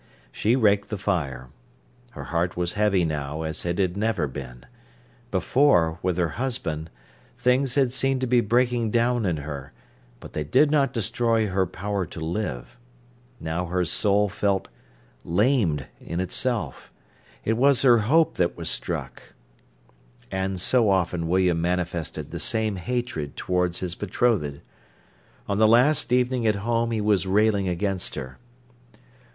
She raked the fire. Her heart was heavy now as it had never been. Before, with her husband, things had seemed to be breaking down in her, but they did not destroy her power to live. Now her soul felt lamed in itself. It was her hope that was struck. And so often William manifested the same hatred towards his betrothed. On the last evening at home he was railing against her.